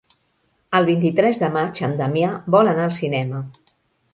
El vint-i-tres de maig en Damià vol anar al cinema.